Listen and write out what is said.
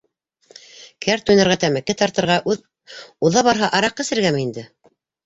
Кәрт уйнарға, тәмәке тартырға, уҙа-барһа, араҡы эсергәме инде?